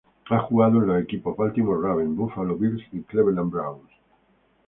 Ha jugado en los equipos Baltimore Ravens, Buffalo Bills y Cleveland Browns.